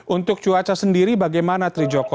untuk cuaca sendiri bagaimana trijoko